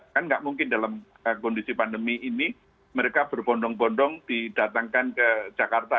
kan nggak mungkin dalam kondisi pandemi ini mereka berbondong bondong didatangkan ke jakarta